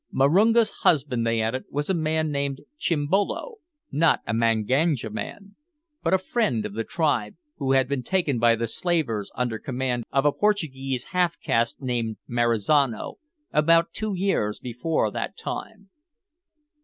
Marunga's husband, they added, was a man named Chimbolo not a Manganja man, but a friend of the tribe who had been taken by the slavers, under command of a Portuguese half caste named Marizano, about two years before that time.